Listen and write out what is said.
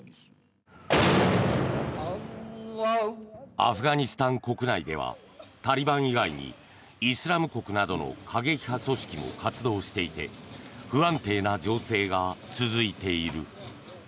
アフガニスタン国内ではタリバン以外にイスラム国などの過激派組織も活動していて不安定な情勢が続いている。